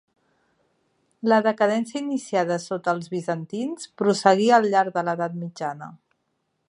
La decadència iniciada sota els bizantins prosseguí al llarg de l'Edat mitjana.